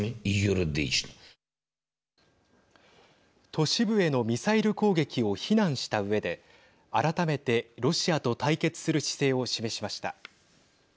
都市部へのミサイル攻撃を非難したうえで改めてロシアと対決する姿勢を示しました。